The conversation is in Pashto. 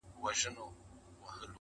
دا د مرګي له چېغو ډکه شپېلۍ!